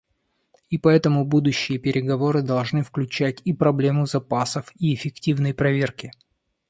И поэтому будущие переговоры должны включать и проблему запасов и эффективной проверки.